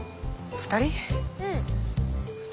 ２人。